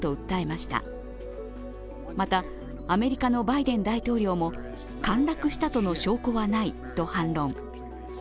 また、アメリカのバイデン大統領も陥落したとの証拠はないと反論。